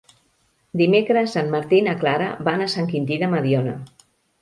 Dimecres en Martí i na Clara van a Sant Quintí de Mediona.